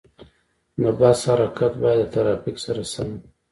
د بس حرکت باید د ترافیک سره سم وي.